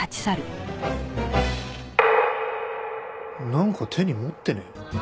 なんか手に持ってねえ？